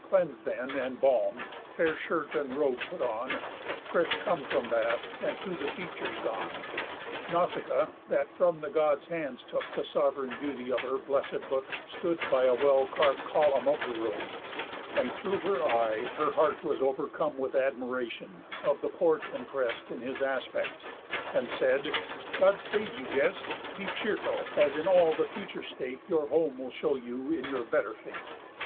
Cleans'd then and balm'd, fair shirt and robe put on, Fresh come from bath, and to the feasters gone, Nausicaa, that from the Gods' hands took The sov'reign beauty of her blessed look, Stood by a well carv'd column of the room, And through her eye her heart was overcome With admiration of the port imprest In his aspéct, and said: "God save you, guest! Be cheerful, as in all the future state Your home will show you in your better fate.